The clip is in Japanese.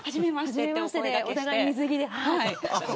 お互い水着で。